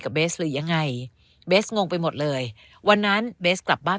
เบสหรือยังไงเบสงงไปหมดเลยวันนั้นเบสกลับบ้าน